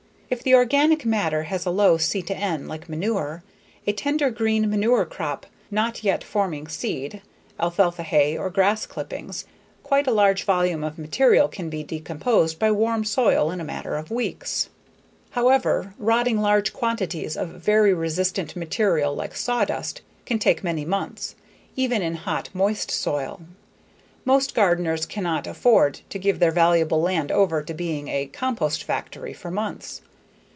If the organic matter has a low C/N, like manure, a tender green manure crop not yet forming seed, alfalfa hay or grass clippings, quite a large volume of material can be decomposed by warm soil in a matter of weeks. However, rotting large quantities of very resistant material like sawdust can take many months, even in hot, moist soil. Most gardeners cannot afford to give their valuable land over to being a compost factory for months.